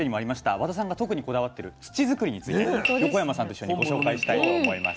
和田さんが特にこだわってる土づくりについて横山さんと一緒にご紹介したいと思います。